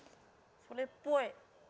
それっぽい。